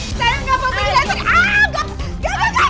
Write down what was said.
saya gak mau pergi dari sini